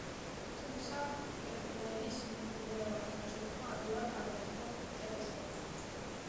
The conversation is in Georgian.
თუმცა, კეპლერის მკვლევართა ჯგუფმა ადვილად არ დათმო ტელესკოპი.